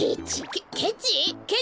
ケケチ？